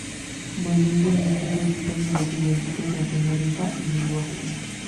Mandó imprimir tres hojitas de los villancicos de Antonio deza y Ulloa